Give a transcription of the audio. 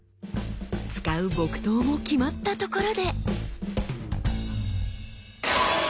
使う木刀も決まったところで！